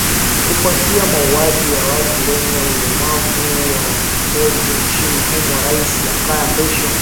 kufuatia mauaji ya watu wenye ulemavu wa ngozi nchini humo rais jakaya mrisho